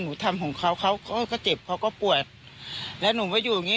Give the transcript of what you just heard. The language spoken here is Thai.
ทำของเขาเขาก็เจ็บเขาก็ปวดแล้วหนูก็อยู่อย่างงี้